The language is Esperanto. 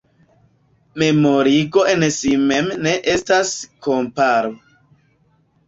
Memorigo en si mem ne estas komparo.